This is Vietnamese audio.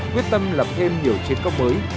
quyết tâm lập thêm nhiều chiến công mới